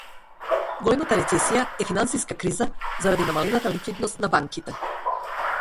Големата рецесија е финансиска криза заради намалената ликвидност на банките.